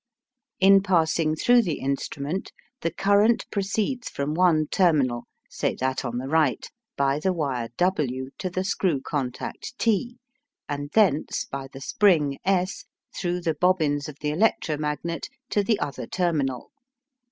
In passing through the instrument the current proceeds from one terminal, say that on the right, by the wire W to the screw contact T, and thence by the spring S through the bobbins of the electromagnet to the other terminal.